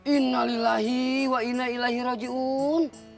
innalilahi wa inna ilahi rajiun